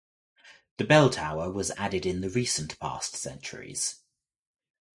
The belltower was added in the recent past centuries.